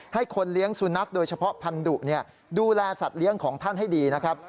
ให้คนเลี้ยงสุนัขโดยเฉพาะพันธุดูแลสัตว์เลี้ยงของท่านให้ดีนะครับ